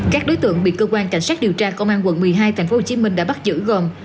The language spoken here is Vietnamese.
các đối tượng bị cơ quan cảnh sát điều tra công an quận một mươi hai tp hcm đã bắt giữ gồm